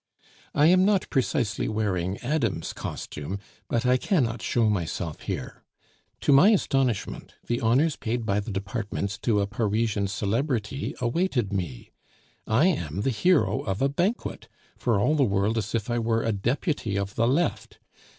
I am not precisely wearing Adam's costume, but I cannot show myself here. To my astonishment, the honors paid by the departments to a Parisian celebrity awaited me. I am the hero of a banquet, for all the world as if I were a Deputy of the Left.